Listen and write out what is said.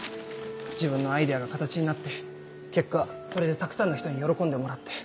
自分のアイデアが形になって結果それでたくさんの人に喜んでもらって。